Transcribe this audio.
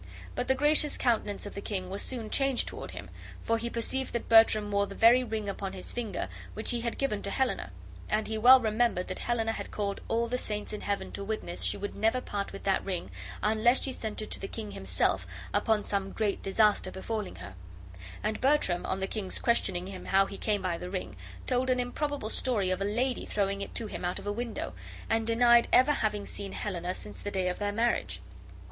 But the gracious countenance of the king was soon changed toward him, for he perceived that Bertram wore the very ring upon his finger which he had given to Helena; and he well remembered that Helena had called all the saints in heaven to witness she would never part with that ring unless she sent it to the king himself upon some great disaster befalling her; and Bertram, on the king's questioning him how he came by the ring, told an improbable story of a lady throwing it to him out of a window, and denied ever having seen Helena since the day of their marriage.